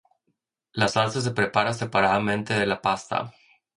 La salsa se prepara separadamente de la pasta.